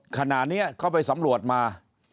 ขณะนี้เขาไปสำรวจมา